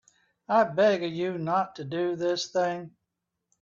I beg of you not to do this thing.